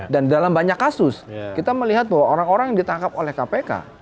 dan dalam banyak kasus kita melihat bahwa orang orang yang ditangkap oleh kpk